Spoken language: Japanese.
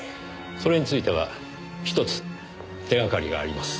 それについてはひとつ手がかりがあります。